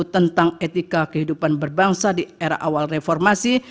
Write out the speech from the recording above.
tentang etika kehidupan berbangsa di era awal reformasi